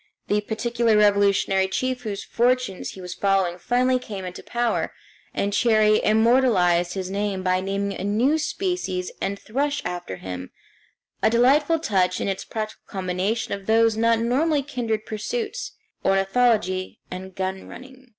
The particular revolutionary chief whose fortunes he was following finally came into power, and Cherrie immortalized his name by naming a new species of ant thrush after him a delightful touch, in its practical combination of those not normally kindred pursuits, ornithology and gun running.